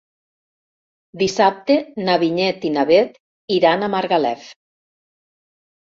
Dissabte na Vinyet i na Bet iran a Margalef.